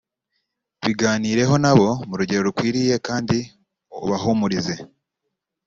biganireho nabo mu rugero rukwiriye kandi ubahumurize